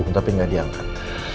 tambung tapi gak diangkat